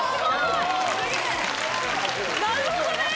なるほどね！